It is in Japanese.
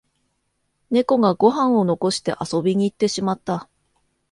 ネコがご飯を残して遊びに行ってしまった